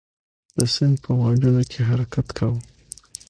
د سیند په موجونو کې حرکت کاوه.